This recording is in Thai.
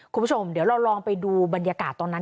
คุณผู้ชมเดี๋ยวเราลองไปดูบรรยากาศตอนนั้น